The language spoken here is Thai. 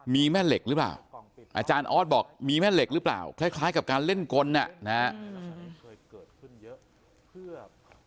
มีแม่เหล็กหรือเปล่าอาจารย์ออสบอกมีแม่เหล็กหรือเปล่าคล้ายกับการเล่นกลเกิดขึ้นเยอะเพื่อ